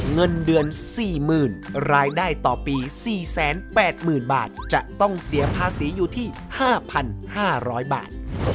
เงินเดือน๔๐๐๐รายได้ต่อปี๔๘๐๐๐บาทจะต้องเสียภาษีอยู่ที่๕๕๐๐บาท